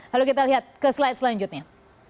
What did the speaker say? lalu kita lihat ke slide selanjutnya